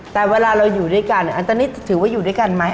แต่เวลาเราอยู่ด้วยกันอันนี้ถือว่าอยู่ด้วยกันไหม